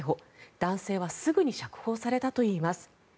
男性はすぐに釈放されたといいます。